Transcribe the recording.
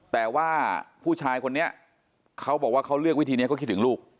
แต่ว่าผู้ชายคนนี้เขาบอกว่าเขาเลือกวิธีนี้ก็คิดถึงลูก